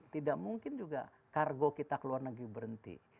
tidak mungkin juga kargo kita keluar negeri berhenti